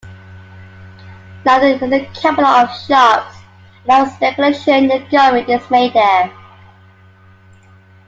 London is the capital of shops and of speculation, the government is made there.